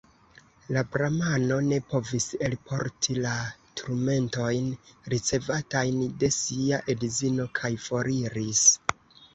La bramano ne povis elporti la turmentojn, ricevatajn de sia edzino, kaj foriris.